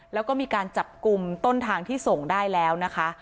แล้วก็มีการจับกลุ่มต้นทางที่ส่งได้แล้วนะคะ